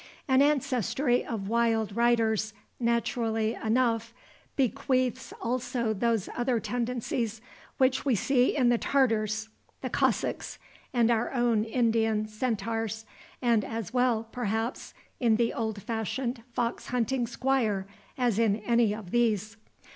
An ancestry of wild riders naturally enough bequeaths also those other tendencies which we see in the Tartars, the Cossacks, and our own Indian Centaurs, and as well, perhaps, in the old fashioned fox hunting squire as in any of these.